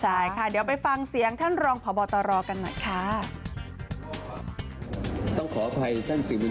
ใช่ค่ะเดี๋ยวไปฟังเสียงท่านรองพบตรกันหน่อยค่ะ